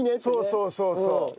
そうそうそうそう。